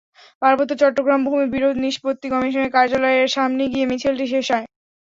পার্বত্য চট্টগ্রাম ভূমি বিরোধ নিষ্পত্তি কমিশনের কার্যালয়ের সামনে গিয়ে মিছিলটি শেষ হয়।